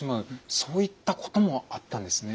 そういったこともあったんですねえ。